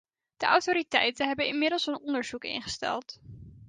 De autoriteiten hebben inmiddels een onderzoek ingesteld.